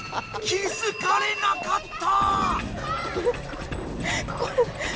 気づかれなかった！